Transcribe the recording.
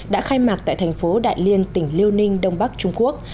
đã khai mạc tại thành phố đại liên tỉnh liêu ninh đông bắc trung quốc